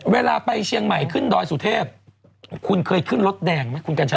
เวลาไปเชียงใหม่ขึ้นดอยสุเทพคุณเคยขึ้นรถแดงไหมคุณกัญชา